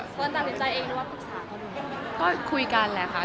เพื่อนตัดสินใจเนนหรือฝึกศาล